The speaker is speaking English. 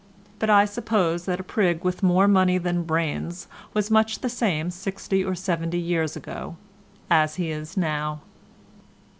But I suppose that a prig with more money than brains was much the same sixty or seventy years ago as he is now.